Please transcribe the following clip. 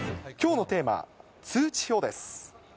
きょうのテーマ、通知表です。